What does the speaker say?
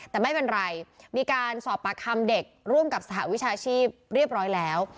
แต่ไม่เป็นไรมีการสอบปากคำเด็กร่วมกับสหวิชาชีพเรียบร้อยแล้ว